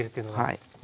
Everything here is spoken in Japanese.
はい。